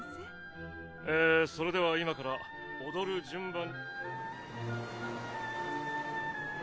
ええそれでは今から踊る順番。